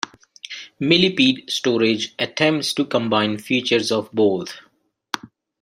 Millipede storage attempts to combine features of both.